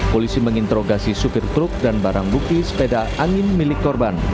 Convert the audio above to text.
polisi menginterogasi supir truk dan barang bukti sepeda angin milik korban